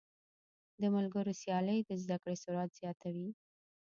د ملګرو سیالۍ د زده کړې سرعت زیاتوي.